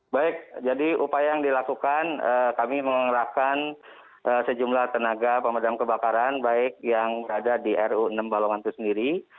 baik jadi upaya yang dilakukan kami mengerahkan sejumlah tenaga pemadam kebakaran baik yang berada di ru enam balongan itu sendiri